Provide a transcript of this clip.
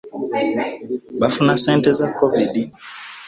Bafuna ssente za covid.